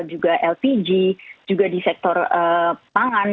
juga lpg juga di sektor pangan